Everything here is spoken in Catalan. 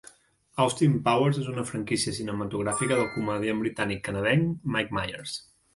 "Austin Powers" és una franquícia cinematogràfica del comediant britànic-canadenc Mike Myers.